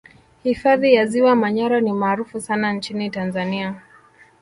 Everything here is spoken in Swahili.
Hifadhi ya Ziwa Manyara ni maarufu sana nchini Tanzania